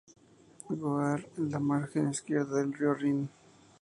Goar en la margen izquierda del río Rin.